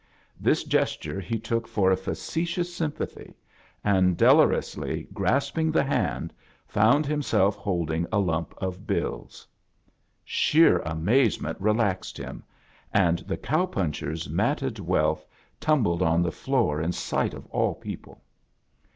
This gesture he took for a facetious sympathy, and, dolorously grasping the hand, found himself holding a lump of bills. Sheer amazement relaxed him, and the cow puncher's matted wealth turn A JOURNEY IN SEARCH OF CHRISTMAS bled on the floor in sight of aU people.